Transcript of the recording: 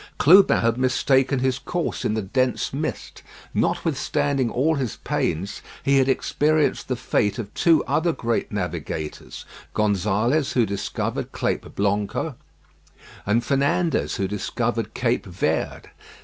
Clubin had mistaken his course in the dense mist. Notwithstanding all his pains, he had experienced the fate of two other great navigators, Gonzalez who discovered Cape Blanco, and Fernandez, who discovered Cape Verd.